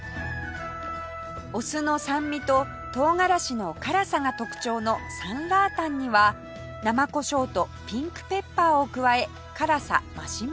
お酢の酸味と唐辛子の辛さが特徴のサンラータンには生胡椒とピンクペッパーを加え辛さ増し増しに